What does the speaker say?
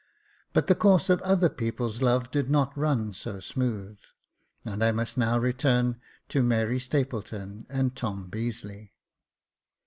But the course of other people's love did not run so smooth, and, I must now return to Mary Stapleton and Tom Beazeley.